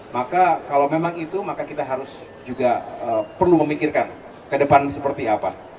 maka kalau memang itu maka kita harus juga perlu memikirkan ke depan seperti apa